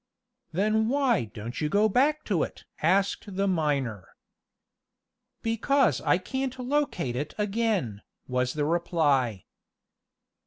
"Then why don't you go back to it?" asked the miner. "Because I can't locate it again," was the reply.